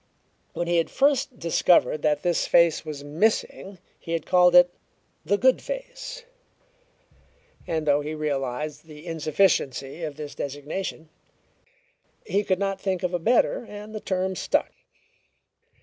When he had first discovered that this face was missing he had called it "the good face;" and though he realized the insufficiency of this designation he could not think of a better, and the term stuck.